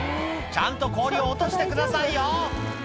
ちゃんと氷を落としてくださいよ